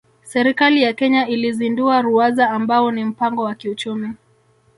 Serikali ya Kenya ilizindua Ruwaza ambao ni mpango wa kiuchumi